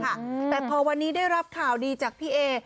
แต่พอวันนี้ได้รับข่าวดีจากพี่เอ